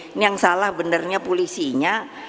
ini yang salah benarnya polisinya